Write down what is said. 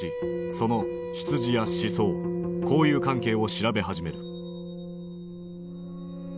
その出自や思想交友関係を調べ始める。